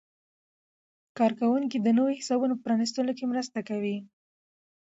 کارکوونکي د نویو حسابونو په پرانیستلو کې مرسته کوي.